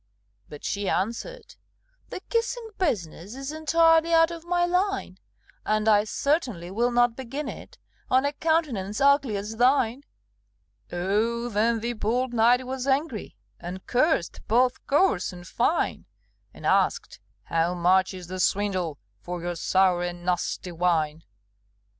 But she answered, "The kissing business Is entirely out of my line; And I certainly will not begin it On a countenance ugly as thine!" Oh, then the bold knight was angry, And cursed both coarse and fine; And asked, "How much is the swindle For your sour and nasty wine?"